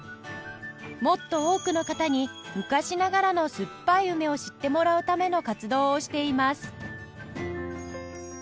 もっと多くの方に昔ながらのすっぱい梅を知ってもらうための活動をしています